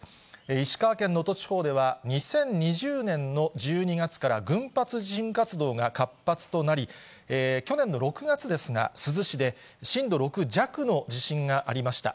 石川県能登地方では、２０２０年の１２月から群発地震活動が活発となり、去年の６月ですが、珠洲市で震度６弱の地震がありました。